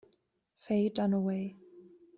Faye Dunaway